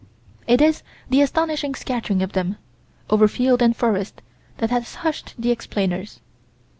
It is the astonishing scattering of them, over field and forest, that has hushed the explainers.